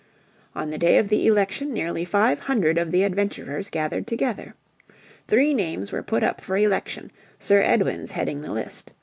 On the day of the election nearly five hundred of the "adventurers" gathered together. Three names were put up for election, Sir Edwin's heading the list.